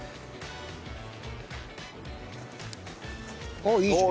あっいいじゃん。